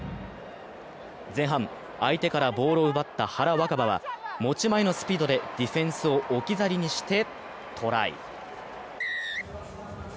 前半、相手からボールを奪った原わか花は持ち前のスピードでディフェンスを置き去りにしてトライ。